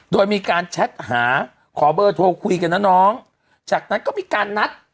โดยมีการแชทหาขอเบอร์โทรคุยกันนะน้องจากนั้นก็มีการนัด